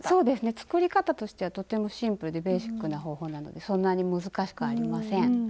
作り方としてはとてもシンプルでベーシックな方法なのでそんなに難しくありません。